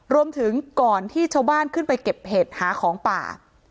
รวมถึงก่อนที่ชาวบ้านขึ้นไปเก็บเห็ดหาของป่า